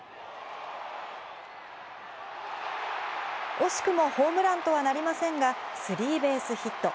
惜しくもホームランとはなりませんがスリーベースヒット。